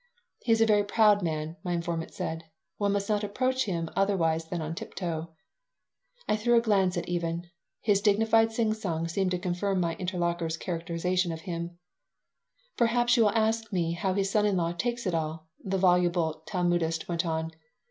"He is a very proud man," my informant said. "One must not approach him otherwise than on tiptoe." I threw a glance at Even. His dignified singsong seemed to confirm my interlocutor's characterization of him "Perhaps you will ask me how his son in law takes it all?" the voluble Talmudist went on.